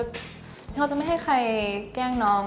เราจะไม่ให้ใครแกล้งน้อง